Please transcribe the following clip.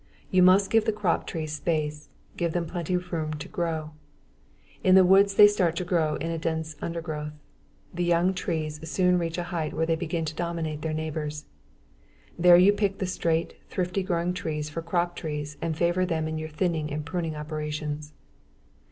You must give the crop trees space, give them plenty of room to grow. In the woods they start to grow in a dense undergrowth. The young trees soon reach a height where they begin to dominate their neighbors. There you pick the straight, thrifty growing trees for crop trees and favor them in your thinning and pruning operations.